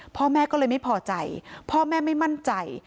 พ่อแม่ก็เลยไม่พอใจพ่อแม่ไม่มั่นใจ